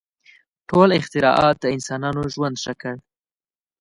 • ټول اختراعات د انسانانو ژوند ښه کړ.